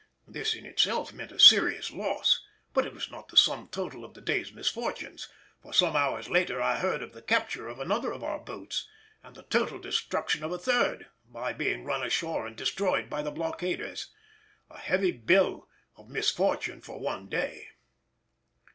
This in itself meant a serious loss, but it was not the sum total of the day's misfortunes, for some hours later I heard of the capture of another of our boats, and the total destruction of a third by being run ashore and destroyed by the blockaders—a heavy bill of misfortune for one day!